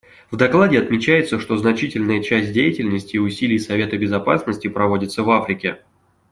В докладе отмечается, что значительная часть деятельности и усилий Совета Безопасности проводится в Африке.